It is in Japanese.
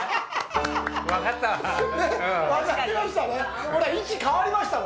分かった。